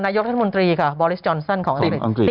นายกท่านมนตรีบอริสต์จอนสอนส์ของอังกฤษ